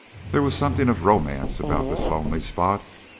There was something of romance about this lonely spot.